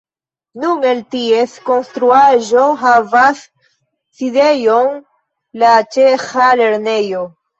Nun el ties konstruaĵo havas sidejon la ĉeĥa lernejo.